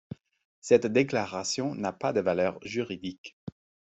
Cette déclaration n'a pas de valeur juridique.